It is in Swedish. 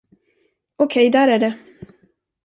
Okej, där är det.